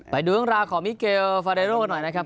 ไปดูดังราของมิเกลฟาเดโรหน่อยนะครับ